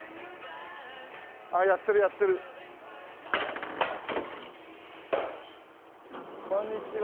あっやってるやってる。こんにちは。